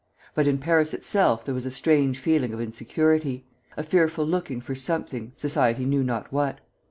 But in Paris itself there was a strange feeling of insecurity, a fearful looking for something, society knew not what.